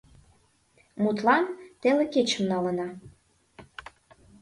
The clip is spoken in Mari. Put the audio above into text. Мутлан, теле кечым налына.